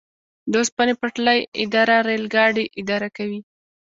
د اوسپنې پټلۍ اداره ریل ګاډي اداره کوي